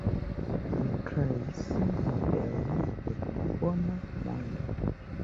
Ni kreis modelon de pli bona mondo.